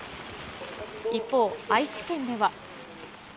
一方、愛知県では。